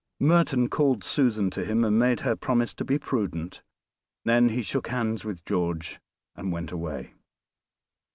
Merton called Susan to him, and made her promise to be prudent, then he shook hands with George and went away.